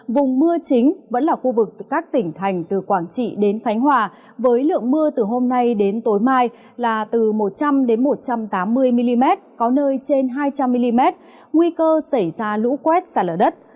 vùng mưa chính vẫn là khu vực các tỉnh thành từ quảng trị đến khánh hòa với lượng mưa từ hôm nay đến tối mai là từ một trăm linh một trăm tám mươi mm có nơi trên hai trăm linh mm nguy cơ xảy ra lũ quét xả lở đất